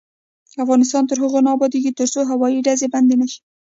افغانستان تر هغو نه ابادیږي، ترڅو هوایي ډزې بندې نشي.